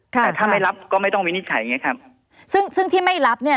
แต่ถ้าไม่รับก็ไม่ต้องวินิจฉัยไงครับซึ่งซึ่งที่ไม่รับเนี่ย